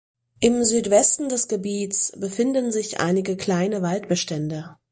Im Südwesten des Gebiets befinden sich einige kleine Waldbestände.